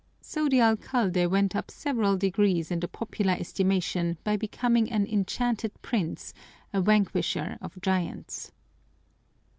So the alcalde went up several degrees in the popular estimation by becoming an enchanted prince, a vanquisher of giants.